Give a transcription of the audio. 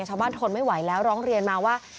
ชาวบ้านทนไม่ไหวแล้วร้องเรียนมาว่า